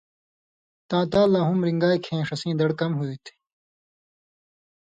تاں تال لا ہُم رِݩگائ کھیں ݜِݜَیں دڑ کم ہوتھی۔